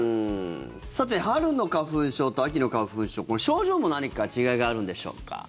さて春の花粉症と秋の花粉症これ、症状も何か違いがあるんでしょうか。